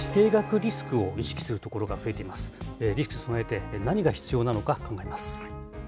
リスクに備えて何が必要なのか考えます。